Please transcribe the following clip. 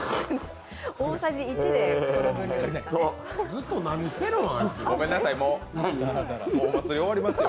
ずっと何してるの？